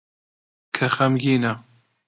کە خەمگینە